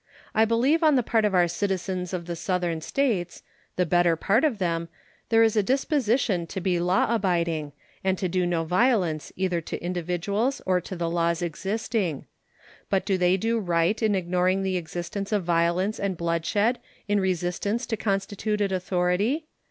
I believe on the part of our citizens of the Southern States the better part of them there is a disposition to be law abiding, and to do no violence either to individuals or to the laws existing. But do they do right in ignoring the existence of violence and bloodshed in resistance to constituted authority?